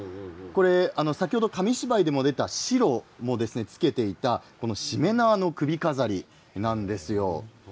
先ほど紙芝居でも出たシロもつけていたしめ縄の首飾りなんですよ。